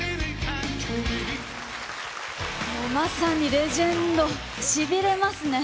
まさにレジェンド、しびれますね。